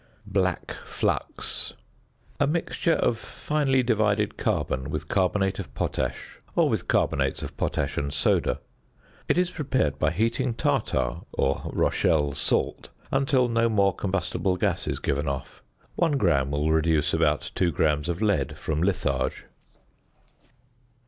"~Black Flux.~" A mixture of finely divided carbon with carbonate of potash or with carbonates of potash and soda. It is prepared by heating tartar or "rochelle salt" until no more combustible gas is given off. One gram will reduce about 2 grams of lead from litharge.